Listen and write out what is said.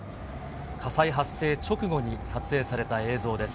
火災発生直後に撮影された映像です。